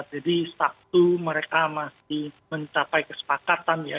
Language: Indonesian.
jadi satu mereka masih mencapai kesepakatan ya